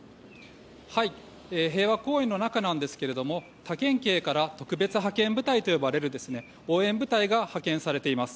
平和公園の中なんですが、他県警から特別派遣部隊と呼ばれる応援部隊が派遣されています。